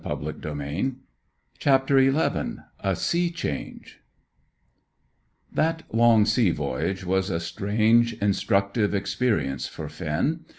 CHAPTER XI A SEA CHANGE That long sea voyage was a strange, instructive experience for Finn.